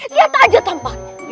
lihat aja tampaknya